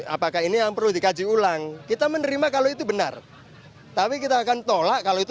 apakah ini yang perlu dikaji ulang kita menerima kalau itu benar tapi kita akan tolak kalau itu